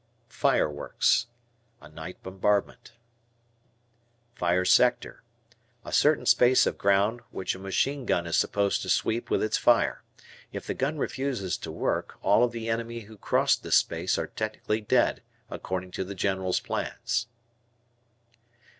"Fireworks." A night bombardment. Fire Sector. A certain space of ground which a machine gun is supposed to sweep with its fire. If the gun refuses to work, all of the enemy who cross this space are technically dead, according to the General's plans.